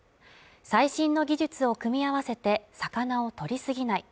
最新の技術を組み合わせて、魚をとりすぎない。